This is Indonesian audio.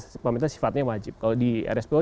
pemerintah sifatnya wajib kalau di rspo